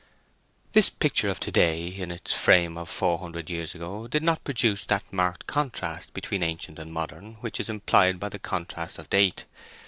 This picture of to day in its frame of four hundred years ago did not produce that marked contrast between ancient and modern which is implied by the contrast of date.